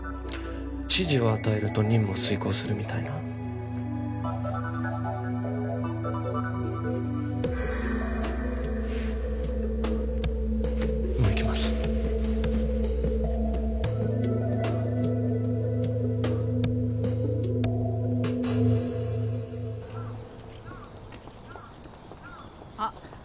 指示を与えると任務を遂行するみたいなもう行きますあっ